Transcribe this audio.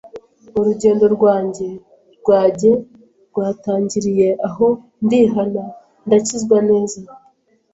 urugendo rwanjye rwajye rwatangiriye aho ndihana ndakizwa neza